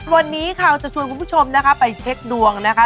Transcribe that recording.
วันนี้ค่ะจะชวนคุณผู้ชมนะคะไปเช็คดวงนะคะ